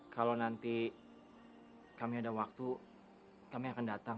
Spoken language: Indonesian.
kalau nanti kami ada waktu kami akan datang